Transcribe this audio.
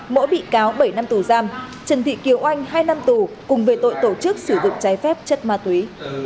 mỗi bị cáo bảy năm tù giam trần thị kiều oanh hai năm tù cùng về tội tổ chức sử dụng trái phép chất ma túy